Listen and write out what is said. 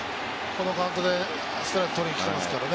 このカウントでストライク取りにきていますからね。